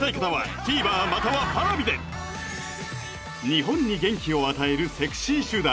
日本に元気を与えるセクシー集団